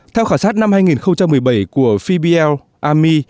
theo khả sát năm hai nghìn một mươi bảy của fibiel army